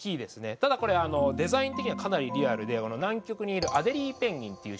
ただこれデザイン的にはかなりリアルで南極にいるアデリーペンギンっていう種類です。